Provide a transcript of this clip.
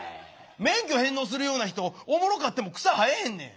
免許返納するような人おもろかっても草生えんねや。